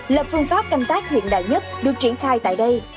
là phương pháp canh tác hiện đại nhất được triển khai tại đây